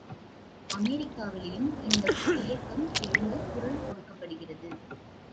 அமெரிக்காவிலும் இந்த இயக்கம் எழுந்து குரல் கொடுக்கப்படுகிறது.